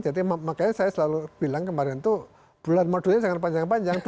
jadi makanya saya selalu bilang kemarin itu bulan bulannya jangan panjang panjang